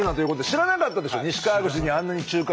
知らなかったです。